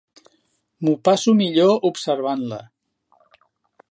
M'ho passo millor observant-la.